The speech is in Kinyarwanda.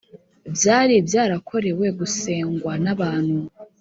, byari byarakorewe gusengwa n'abantu